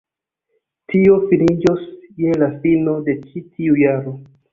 Tio finiĝos je la fino de ĉi tiu jaro